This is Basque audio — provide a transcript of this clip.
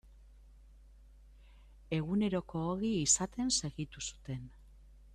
Eguneroko ogi izaten segitu zuten.